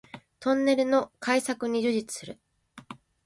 トンネルの開削に従事する